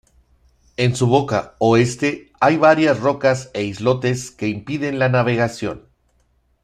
En su boca oeste hay varias rocas e islotes que impiden la navegación.